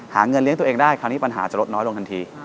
เงินเลี้ยงตัวเองได้คราวนี้ปัญหาจะลดน้อยลงทันที